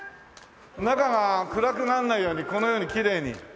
中が暗くならないようにこのようにきれいにほら。